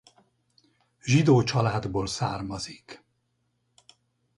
Zsidó családból származik.